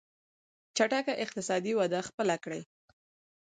چټکه اقتصادي وده خپله کړي.